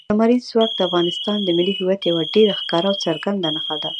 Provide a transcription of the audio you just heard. لمریز ځواک د افغانستان د ملي هویت یوه ډېره ښکاره او څرګنده نښه ده.